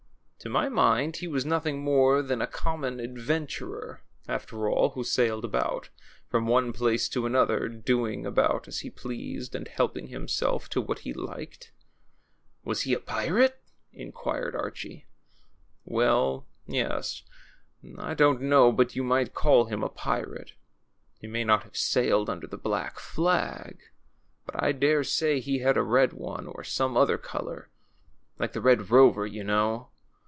To my mind he was nothing more than a common adventurer, after all, who sailed about, from THE THRILLING STORY OF CAPTAIN NOMAN. 105 one place to another, doing about as he pleased, and helping himself to what he liked." ^^Was he a pirate?" inquired Archie. ^AVell, yes; I don't know but you might call him a pirate. He may not have sailed under the black flag; but I dare say lie had a red one, or some other color — like the Red Rover, you know."